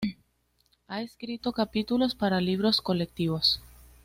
Ha escrito capítulos para libros colectivos.